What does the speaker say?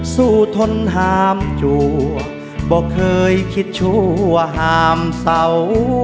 สู้ทนหามจัวบ่เคยคิดชัวร์หามเศร้า